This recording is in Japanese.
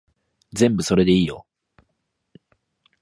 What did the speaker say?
全部それでいいよ